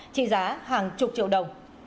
trị giá hàng chục triệu đồng